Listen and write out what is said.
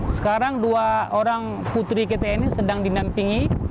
sekarang dua orang putri kita ini sedang dinampingi